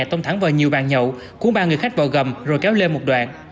tông thẳng vào nhiều bàn nhậu cuốn ba người khách vào gầm rồi kéo lên một đoạn